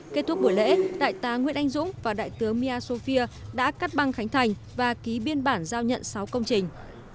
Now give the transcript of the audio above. kết thúc buổi lễ đại tá nguyễn anh dũng và đại tướng miasofia đã cắt băng khánh thành và ký biên bản giao nhận sáu công trình